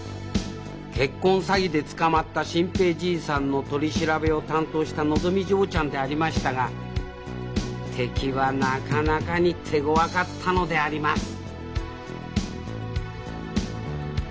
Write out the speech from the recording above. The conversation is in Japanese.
結婚詐欺で捕まった新平じいさんの取り調べを担当したのぞみ嬢ちゃんでありましたが敵はなかなかに手ごわかったのであります